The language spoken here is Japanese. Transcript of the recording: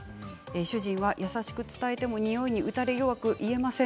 主人は優しく伝えてもにおいに打たれ弱く、言えません。